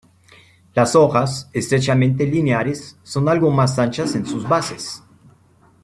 La hojas, estrechamente lineares, son algo más anchas en sus bases.